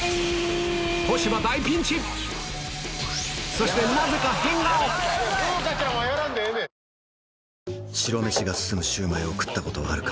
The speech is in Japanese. そしてこの後そして白飯が進むシュウマイを食ったことはあるか？